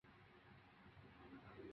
五代十国南吴太祖杨行密妻。